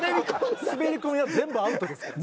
滑り込みは全部アウトですから。